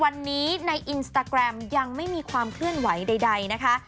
วันนี้ในอินสตาแกรมยังไม่มีความเคลื่อนไหวใดนะคะ